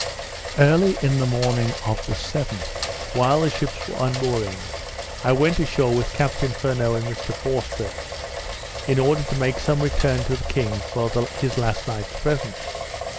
Early in the morning of the 7th, while the ships were unmooring, I went ashore with Captain Furneaux and Mr Forster, in order to make some return to the king, for his last night's present.